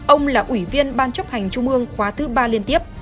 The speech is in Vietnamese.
ông là ủy viên ban chấp hành trung ương khóa thứ ba liên tiếp